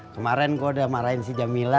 kemarin gue udah marahin si jamila